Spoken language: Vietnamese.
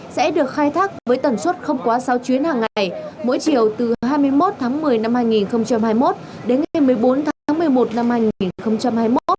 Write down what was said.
sẽ được khai thác với tần suất không quá sáu chuyến hàng ngày mỗi chiều từ hai mươi một tháng một mươi năm hai nghìn hai mươi một đến ngày một mươi bốn tháng một mươi một năm hai nghìn hai mươi một